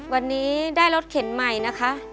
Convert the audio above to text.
วันนี้ได้รถเข็นใหม่นะคะ